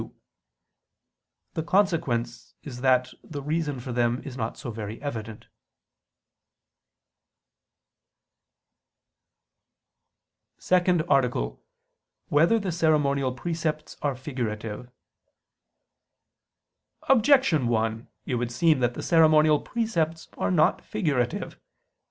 2), the consequence is that the reason for them is not so very evident. ________________________ SECOND ARTICLE [I II, Q. 101, Art. 2] Whether the Ceremonial Precepts Are Figurative? Objection 1: It would seem that the ceremonial precepts are not figurative.